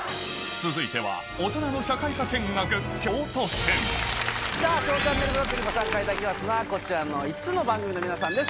続いてはさぁ「ＳＨＯＷチャンネルブロック」にご参加いただきますのはこちらの５つの番組の皆さんです